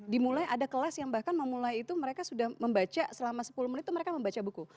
dimulai ada kelas yang bahkan memulai itu mereka sudah membaca selama sepuluh menit itu mereka membaca buku